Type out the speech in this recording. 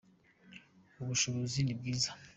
ubushobozi nibwiza